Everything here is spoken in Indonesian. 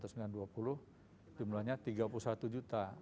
jumlahnya tiga puluh satu juta